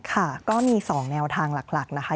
ค่ะก็มี๒แนวทางหลักนะคะ